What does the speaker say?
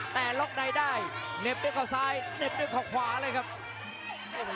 แต่ล๊อคในได้เน็บด้วยของซ้ายเน็บด้วยของขวาเลยครับ